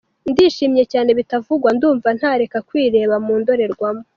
"Ndishimye cyane bitavugwa, ndumva ntarekera kwireba mu ndorerwamo.